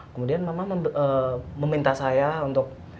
kemudian mama meminta saya untuk